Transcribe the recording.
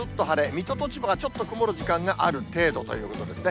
水戸と千葉はちょっと曇る時間がある程度ということですね。